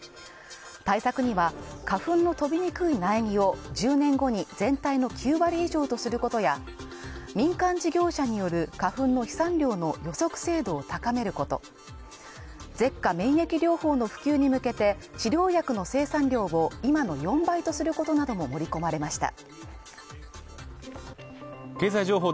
対策には花粉の飛びにくい苗木を１０年後に全体の９割以上とすることや、民間事業者による花粉の飛散量の予測精度を高めること舌下免疫療法の普及に向けて、治療薬の生産量を、今の４倍とすることなども盛り込まれました